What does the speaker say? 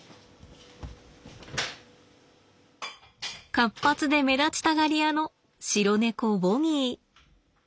活発で目立ちたがり屋の白猫ボニー。